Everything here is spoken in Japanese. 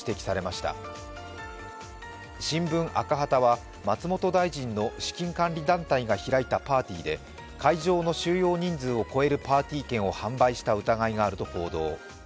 しんぶん赤旗は松本大臣の資金管理団体が開いたパーティーで会場の収容人数を超えるパーティー券を販売した疑いがあると報道。